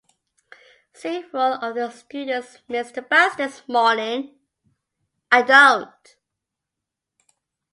Several of the students missed the bus this morning.